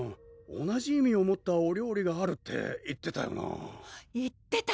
同じ意味を持ったお料理があるって言ってたよな言ってた！